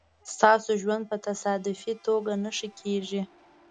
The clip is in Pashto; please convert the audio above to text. ستاسو ژوند په تصادفي توگه نه ښه کېږي